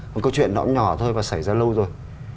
một câu chuyện đóng nhỏ thôi và xảy ra lâu rồi